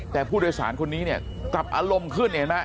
แต่ผู้โดยสารคนนี้เนี่ยกลับอารมณ์ขึ้นเห็นไหม